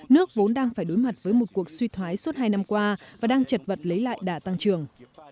nước vốn đang phải đối mặt với một cuộc suy thoái suốt hai năm qua và đang chật vật lấy lại đả tăng trưởng